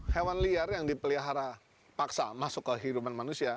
hewan liar yang dipelihara paksa masuk ke kehidupan manusia